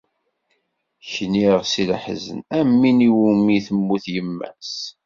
Kniɣ si leḥzen, am win iwumi i temmut yemma-s.